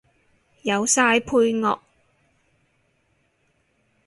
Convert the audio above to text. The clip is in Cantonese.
有晒配樂